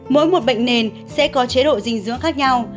mỗi một bệnh nền sẽ có chế độ dinh dưỡng khác nhau